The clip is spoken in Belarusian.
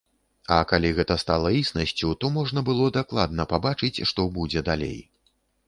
А калі гэта стала існасцю, то можна было дакладна пабачыць што будзе далей.